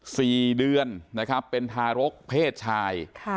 สี่เดือนนะครับเป็นทารกเพศชายค่ะ